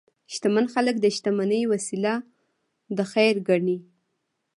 شتمن خلک د شتمنۍ وسیله د خیر ګڼي.